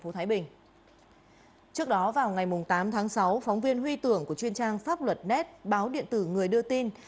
trước đó vào ngày tám tháng sáu phóng viên huy tưởng của chuyên trang pháp luật nét báo điện tử người đưa tin